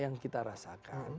yang kita rasakan